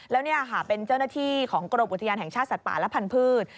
แล้วนี่ค่ะเป็นเจ้าหน้าที่ของกรมอุทยานแห่งชาติสัตว์ป่าและพันธุ์